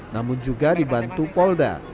namun juga dibantu polda